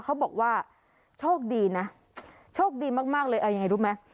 เขาบอกว่าโชคดีนะโชคดีมากเลยยังไงดูมั้ย